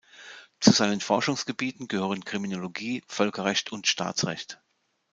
Zu seinen Forschungsgebieten gehören Kriminologie, Völkerrecht und Staatsrecht.